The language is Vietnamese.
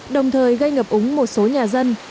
đồng thời gây ngập úng một số nhà dân